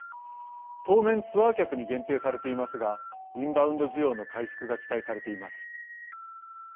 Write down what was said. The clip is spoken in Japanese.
当面、ツアー客に限定されていますがインバウンド需要の回復が期待されています。